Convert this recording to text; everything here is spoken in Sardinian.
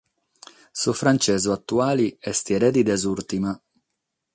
Su frantzesu atuale est erede de s’ùrtima.